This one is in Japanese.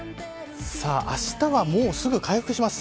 あしたはもうすぐ回復します。